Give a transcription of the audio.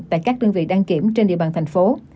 tại các đơn vị đăng kiểm trên địa bàn thành phố